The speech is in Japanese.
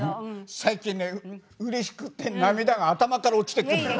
最近ねうれしくて涙が頭から落ちてくる。